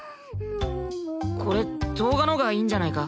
これ動画のがいいんじゃないか？